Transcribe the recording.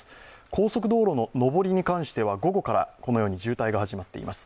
高速道路の上りに関しては午後からこのように渋滞が始まっています。